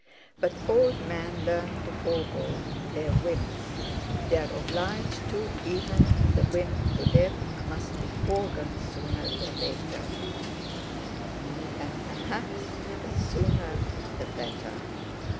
But old men learn to forego their whims; they are obliged to, even the whim to live must be foregone sooner or later; and perhaps the sooner the better.